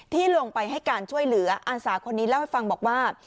ที่ลงไปให้การช่วยเหลืออาสาคนนี้เล่าให้ฟังบอกว่า